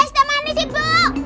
ibu es tamanes ibu